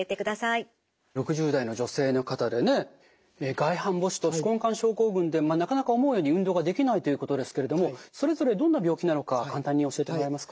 外反母趾と手根管症候群でなかなか思うように運動ができないということですけれどもそれぞれどんな病気なのか簡単に教えてもらえますか？